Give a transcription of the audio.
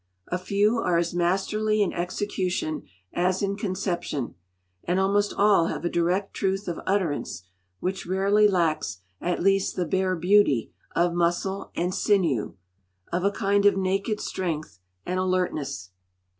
A few are as masterly in execution as in conception, and almost all have a direct truth of utterance, which rarely lacks at least the bare beauty of muscle and sinew, of a kind of naked strength and alertness.